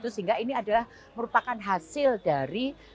sehingga ini adalah merupakan hasil dari